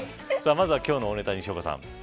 まずは今日の大ネタ西岡さん。